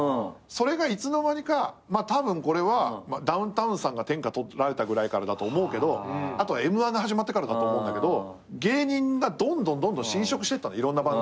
それがいつの間にかまあたぶんこれはダウンタウンさんが天下取られたぐらいからだと思うけどあとはＭ−１が始まってからだと思うんだけど芸人がどんどんどんどん侵食してったのいろんな番組に。